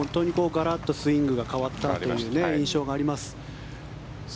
ガラッとスイングが変わったという印象があります。